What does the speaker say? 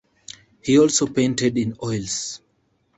He also painted in oils.